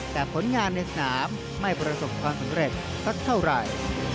แต่ผลงานในสนามไม่ประสบความสำเร็จสักเท่าไหร่